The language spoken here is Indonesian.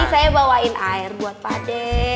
ini saya bawain air buat pak d